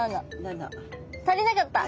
７足りなかった。